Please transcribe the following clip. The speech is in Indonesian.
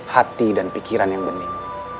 hati dan pikiran yang bening